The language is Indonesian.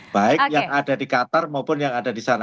baik yang ada di qatar maupun yang ada di sana